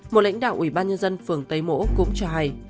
một lãnh đạo ủy ban nhân dân phường tây mỗ cũng cho hay